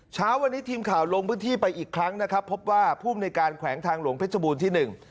เช้าวันนี้ทีมข่าวลงพื้นที่ไปอีกครั้งนะครับพบว่าภูมิในการแขวงทางหลวงเพชรบูรณ์ที่หนึ่ง